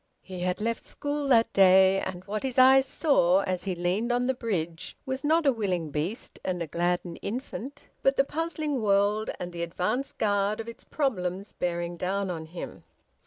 He had left school that day, and what his eyes saw as he leaned on the bridge was not a willing beast and a gladdened infant, but the puzzling world and the advance guard of its problems bearing down on him.